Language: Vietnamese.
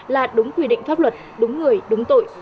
là đúng quy định pháp luật đúng người đúng tội